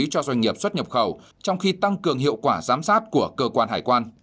cho doanh nghiệp xuất nhập khẩu trong khi tăng cường hiệu quả giám sát của cơ quan hải quan